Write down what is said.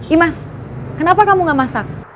imas kenapa kamu gak masak